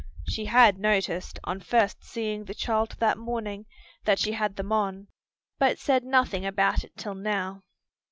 She had noticed, on first seeing the child that morning, that she had them on, but said nothing about it till now.